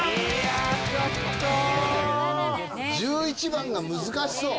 １１番が難しそう。